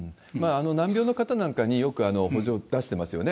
難病の方なんかに、よく補助を出してますよね。